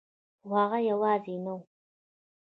خو هغه یوازې نه وه